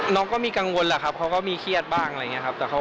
น้องก็มีกังวลแหละครับเขาก็มีเครียดบ้างอะไรอย่างนี้ครับ